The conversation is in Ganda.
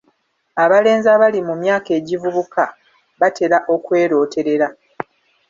Abalenzi abali mu myaka egivubuka batera okwerooterera.